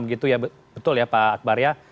begitu ya betul ya pak akbar ya